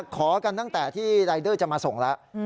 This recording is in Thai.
ขอกันตั้งแต่ที่รายเดอร์จะมาส่งแล้ว